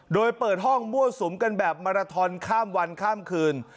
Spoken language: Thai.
โดยเปิดห้องมั่วสุมกันแบบมาราทอนข้ามวันข้ามคืน